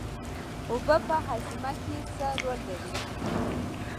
اوبه په هاضمه کې څه رول لري